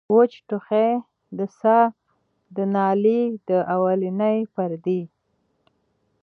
وچ ټوخی د ساه د نالۍ د اولنۍ پردې